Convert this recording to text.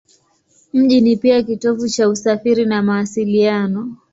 Mji ni pia kitovu cha usafiri na mawasiliano.